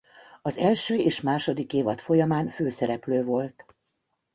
Az első és második évad folyamán főszereplő volt.